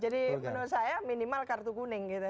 jadi menurut saya minimal kartu kuning gitu ya